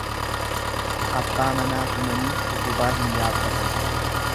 Abbaa manaa tumanii utubaa hin yaabbatan.